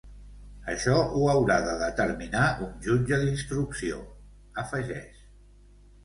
Això ho haurà de determinar un jutge d’instrucció, afegeix.